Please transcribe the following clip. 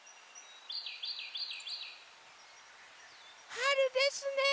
はるですね。